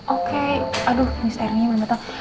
oke aduh miss erinya belum tau